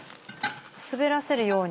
滑らせるように。